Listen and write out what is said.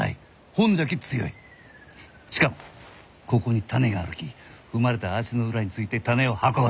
しかもここに種があるき踏まれた足の裏について種を運ばせる。